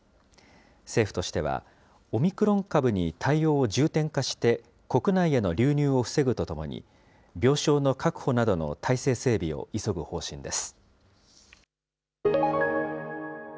政府としては、オミクロン株に対応を重点化して国内への流入を防ぐとともに、病床の確保などの体制整備を急ぐ方針です。